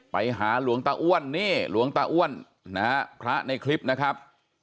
ไปหาหลวงตาอ้วนนี่หลวงตาอ้วนนะฮะพระในคลิปนะครับ